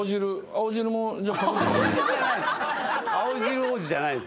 青汁王子じゃないんす俺。